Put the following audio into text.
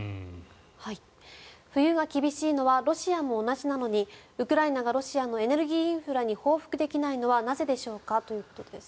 冬が厳しいのはロシアも同じなのにウクライナがロシアのエネルギーインフラに報復できないのはなぜでしょうか？ということです。